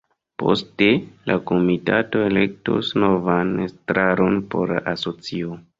Poste la komitato elektos novan estraron por la asocio.